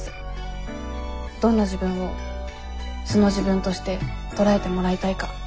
どんな自分を素の自分として捉えてもらいたいか。